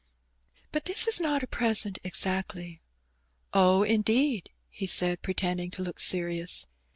"But this is not a present exactly." "Oh, indeed," he said, pretending to look serious.